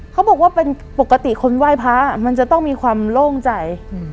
เขาบอกว่าเป็นปกติคนไหว้พระมันจะต้องมีความโล่งใจ